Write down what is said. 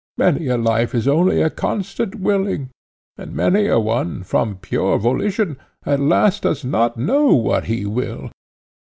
Many a life is only a constant willing, and many a one, from pure volition, at last does not know what he will.